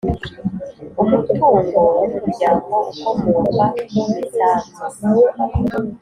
Umutungo w umuryango ukomoka ku misanzu